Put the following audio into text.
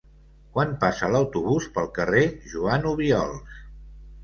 Quan passa l'autobús pel carrer Joan Obiols?